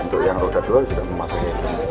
untuk yang roda dua sudah memakai helm